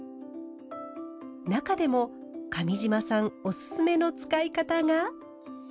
中でも上島さんオススメの使い方が。